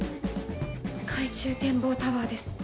海中展望タワーです。